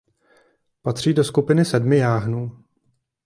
Patří do skupiny Sedmi jáhnů.